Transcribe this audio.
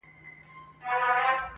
اوس یې تر پاڼو بلبلکي په ټولۍ نه راځي.!